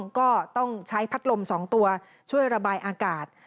ก็ต้องใช้พัดลม๒ตัวช่วยระบายอากาศ